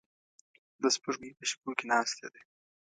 د سپوږمۍ په شپو کې ناسته ده